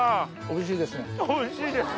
おいしいですね。